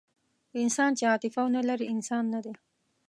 انسان چې عاطفه ونهلري، انسان نهدی.